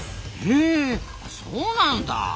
へえそうなんだ。